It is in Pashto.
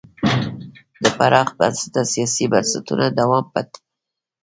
د پراخ بنسټه سیاسي بنسټونو دوام به ټکنی شي.